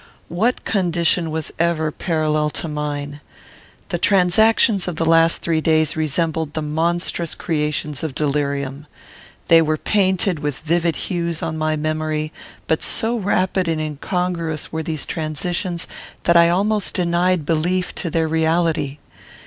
What condition was ever parallel to mine? The transactions of the last three days resembled the monstrous creations of delirium. They were painted with vivid hues on my memory; but so rapid and incongruous were these transitions, that I almost denied belief to their reality.